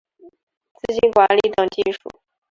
资金管理等技术